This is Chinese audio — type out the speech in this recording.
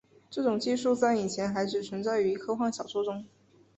这种技术在以前还只存在于科幻小说之中。